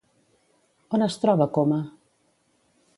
On es troba Coma?